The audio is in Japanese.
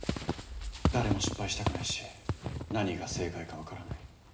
誰も失敗したくないし何が正解かわからない。